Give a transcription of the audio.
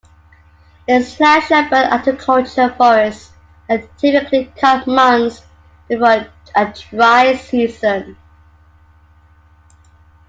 In slash-and-burn agriculture, forests are typically cut months before a dry season.